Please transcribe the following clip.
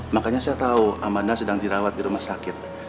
makanya saya tahu amanda sedang dirawat di rumah sakit